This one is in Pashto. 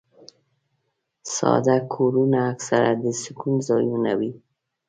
ساده کورونه اکثره د سکون ځایونه وي.